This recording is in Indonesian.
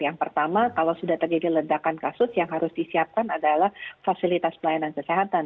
yang pertama kalau sudah terjadi ledakan kasus yang harus disiapkan adalah fasilitas pelayanan kesehatan